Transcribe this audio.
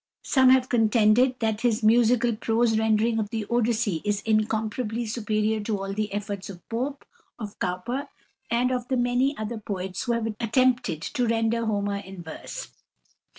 Some have contended that his musical prose rendering of the Odyssey is incomparably superior to all the efforts of Pope, of Cowper, and of the many other poets who have attempted to render Homer in verse.